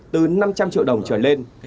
từ năm trăm linh triệu đồng trở lên